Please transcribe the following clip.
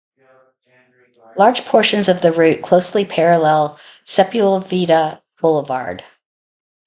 Large portions of the route closely parallel Sepulveda Boulevard.